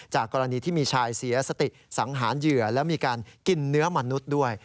กรณีที่มีชายเสียสติสังหารเหยื่อและมีการกินเนื้อมนุษย์ด้วย